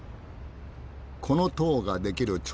この塔が出来る